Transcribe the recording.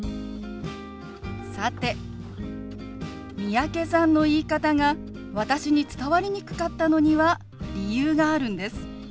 さて三宅さんの言い方が私に伝わりにくかったのには理由があるんです。